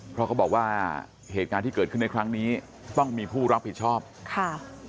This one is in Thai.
เพราะเขาบอกว่าเหตุการณ์ที่เกิดขึ้นในครั้งนี้ต้องมีผู้รับผิดชอบค่ะ